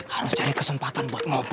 harus cari kesempatan buat ngobrol sama er